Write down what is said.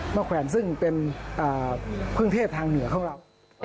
แขวนซึ่งเป็นพึ่งเทศทางเหนือของเรา